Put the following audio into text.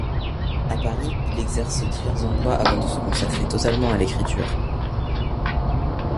À Paris, il exerce divers emplois avant de se consacrer totalement à l’écriture.